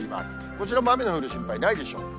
こちらも雨の降る心配ないでしょう。